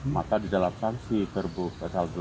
maka di dalam sanksi per buku pasal delapan